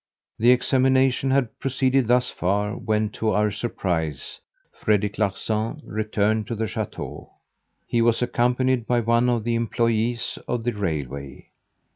The examination had proceeded thus far when, to our surprise, Frederic Larsan returned to the chateau. He was accompanied by one of the employeeees of the railway.